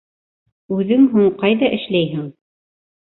Үҙең һуң ҡайҙа эшләйһең?